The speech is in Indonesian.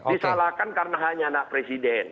disalahkan karena hanya anak presiden